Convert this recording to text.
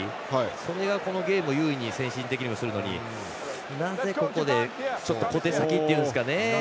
それが、このゲームを優位に精神的にするのになぜここで、ちょっと小手先っていうんですかね。